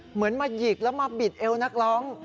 เหมือนมาหยิกแล้วมาบิดเอวนักร้อง